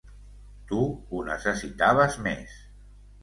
Tu ho necessitaves més.